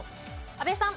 阿部さん。